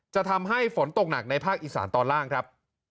จะทำให้ฝนตกหนักในภาคอีสานตอนล่างครับ